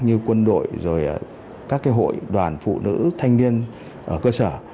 như quân đội rồi các hội đoàn phụ nữ thanh niên ở cơ sở